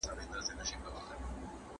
د شتمنو او غریبو ترمنځ واټن باید کم سي.